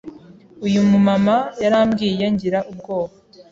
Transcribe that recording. Uyu mu mama yarambwiye ngira ubwoba